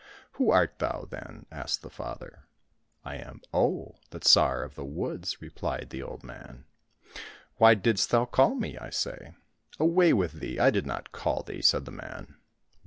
—" Who art thou, then ?" asked the father. —" I am Oh, the Tsar of the Woods," replied the old man ;" why didst thou call me, I say ?"—" Away with thee, I did not call thee," said the man.